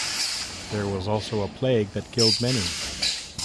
There was also a plague that killed many.